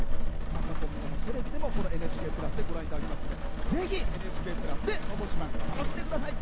パソコンでもテレビでもこの「ＮＨＫプラス」でご覧いただけますのでぜひ「ＮＨＫプラス」で「のど自慢」楽しんでください。